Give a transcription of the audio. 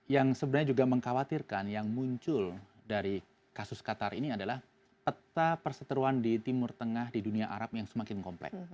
yang sebenarnya juga mengkhawatirkan yang muncul dari kasus qatar ini adalah peta perseteruan di timur tengah di dunia arab yang semakin komplek